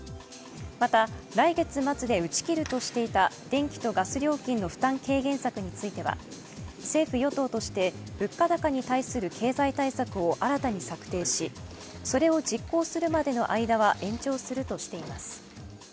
また来月末で打ち切るとしていた電気とガス料金の負担軽減策については政府・与党として物価高に対する経済対策を新たに策定し、それを実行するまでの間は延長するとしています。